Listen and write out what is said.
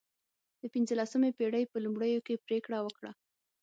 د پنځلسمې پېړۍ په لومړیو کې پرېکړه وکړه.